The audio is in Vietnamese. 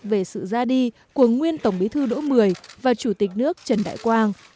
về sự ra đi của nguyên tổng bí thư đỗ mười và chủ tịch nước trần đại quang